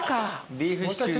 ビーフシチュー。